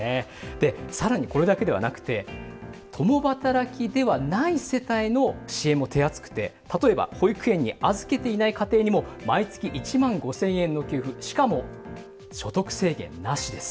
で更にこれだけではなくて共働きではない世帯の支援も手厚くて例えば保育園に預けていない家庭にも毎月１万５，０００円の給付しかも所得制限なしです。